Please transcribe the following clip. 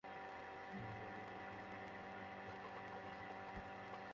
ঝিনাইদহের মহেশপুরে শিশু রয়েলকে থানাহাজতে রাখার বিষয়টি যাচাই-বাছাই করে দেখছে পুলিশ বিভাগ।